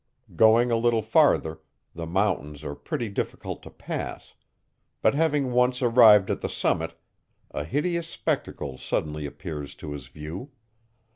Going a little farther, the mountains are pretty difficult to pass; but having once arrived at the summit, a hideous spectacle suddenly appears to his view.